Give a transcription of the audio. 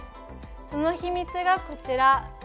その秘密が、こちら。